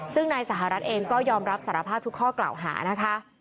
ซึ่งนายสหรัฐเองก็ยอมรับสารภาพทุกข้อกล่าวหานะคะ